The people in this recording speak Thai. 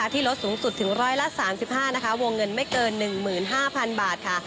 ที่ลดสูงสุดถึง๑๓๕บาทวงเงินไม่เกิน๑๕๐๐๐บาท